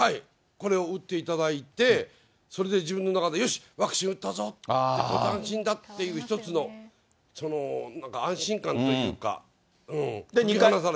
これを打っていただいて、それで自分の中で、よし、ワクチン打ったぞ、これで安心だっていう、一つの、安心感というか。